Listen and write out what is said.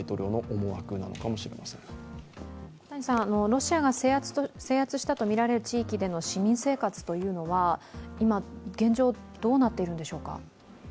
ロシアが制圧したとみられる地域での市民生活というのは今、現状どうなっているんでしょうか？